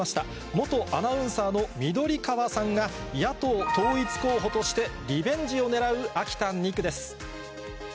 元アナウンサーの緑川さんが、野党統一候補として、リベンジを狙う秋田２区です。